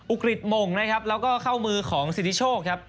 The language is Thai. กริจหม่งนะครับแล้วก็เข้ามือของสิทธิโชคครับ